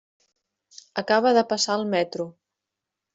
Acaba de passar el metro.